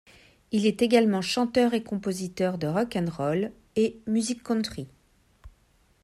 Il est également chanteur et compositeur de rock 'n' roll et musique country.